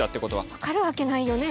分かるわけないよね？